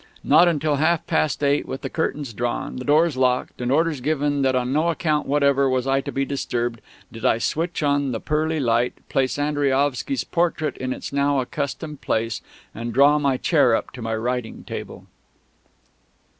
Not until half past eight, with the curtains drawn, the doors locked, and orders given that on no account whatever was I to be disturbed, did I switch on the pearly light, place Andriaovsky's portrait in its now accustomed place, and draw my chair up to my writing table.